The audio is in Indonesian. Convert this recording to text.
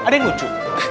ada yang lucu